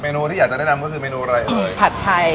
ผัดไทยกากหมูมันกุ้ง